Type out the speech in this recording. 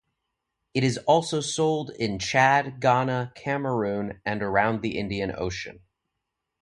It is also sold in Chad, Ghana, Cameroon and around the Indian Ocean.